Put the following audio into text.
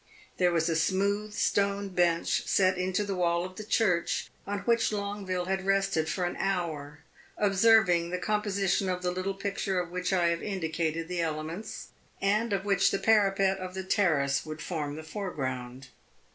There was a smooth stone bench set into the wall of the church, on which Longueville had rested for an hour, observing the composition of the little picture of which I have indicated the elements, and of which the parapet of the terrace would form the foreground.